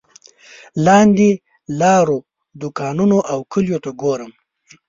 لاندې لارو دوکانونو او کلیو ته ګورم.